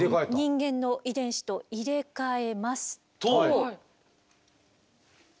人間の遺伝子と入れ替えますと。